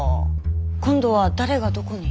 今度は誰がどこに？